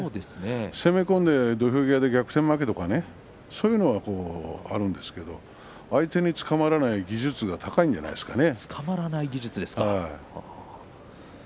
攻め込んで土俵際で逆転負けとかねそういうのはあるんですけれど相手につかまらない技術がつかまらない技術ですか。